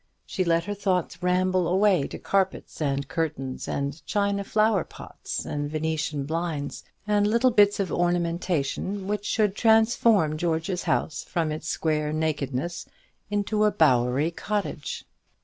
She let her thoughts ramble away to carpets and curtains, and china flower pots and Venetian blinds, and little bits of ornamentation, which should transform George's house from its square nakedness into a bowery cottage.